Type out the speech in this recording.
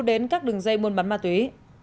đến các đường dây buôn bán ma túy